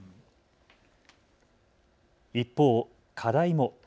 一方、課題も。